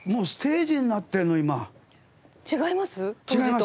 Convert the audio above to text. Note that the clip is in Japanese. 違います？